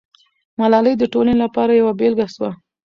ملالۍ د ټولنې لپاره یوه بېلګه سوه.